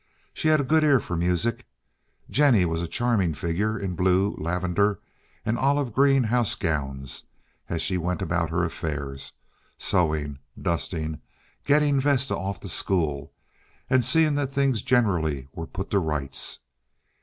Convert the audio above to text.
She had a good ear for music. Jennie was a charming figure in blue, lavender, and olive green house gowns as she went about her affairs, sewing, dusting, getting Vesta off to school, and seeing that things generally were put to rights.